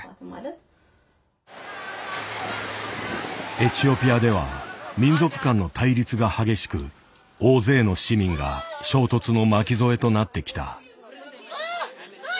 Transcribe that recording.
エチオピアでは民族間の対立が激しく大勢の市民が衝突の巻き添えとなってきた。